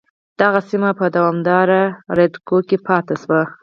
دغه سیمه په دوامداره رکود کې پاتې شوه.